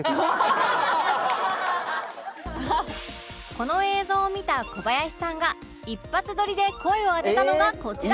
この映像を見た小林さんが一発撮りで声を当てたのがこちら